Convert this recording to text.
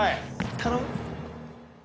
頼む。